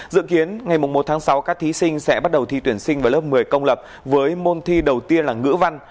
dự kiến ngày một tháng sáu các thí sinh sẽ bắt đầu thi tuyển sinh vào lớp một mươi công lập với môn thi đầu tiên là ngữ văn